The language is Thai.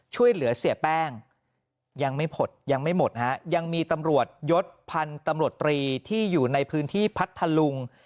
ช่วยเหลือเสียแป้งยังไม่หมดยังไม่หมดฮะยังมีตำรวจยศพันธุ์ตำรวจตรีที่อยู่ในพื้นที่พัทธลุง